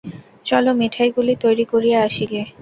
চলো মিঠাইগুলি তৈরি করিয়া আসি গে।